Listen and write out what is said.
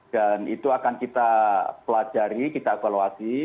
dan itu akan kita pelajari kita evaluasi